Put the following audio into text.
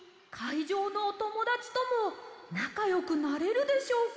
いじょうのおともだちともなかよくなれるでしょうか？